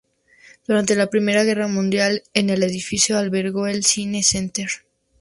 Durante la Primera Guerra Mundial en el edificio albergó el cine Center.